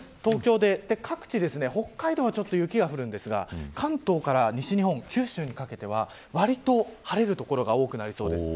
各地、北海道は雪が降るんですが関東から西日本、九州にかけてはわりと晴れる所が多くなりそうです。